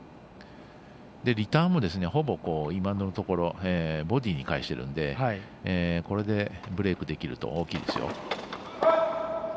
リターンもほぼ、今のところボディーに返しているのでこれで、ブレークできると大きいですよ。